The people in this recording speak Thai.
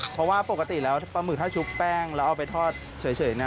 เพราะว่าปกติแล้วปลาหมึกถ้าชุบแป้งแล้วเอาไปทอดเฉยนะ